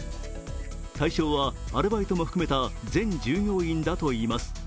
対象はアルバイトも含めた全従業員だといいます。